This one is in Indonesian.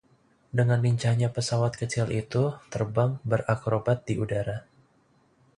dengan lincahnya pesawat kecil itu terbang berakrobat di udara